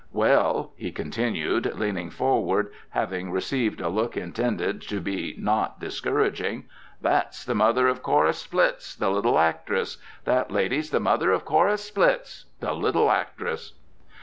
Well," he continued, leaning forward, having received a look intended to be not discouraging, "that's the mother of Cora Splitts, the little actress; that lady's the mother of Cora Splitts, the little actress."